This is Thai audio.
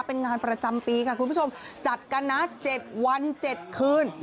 เป็นงานประจำปีค่ะคุณผู้ชมจัดกันนะ๗วัน๗คืน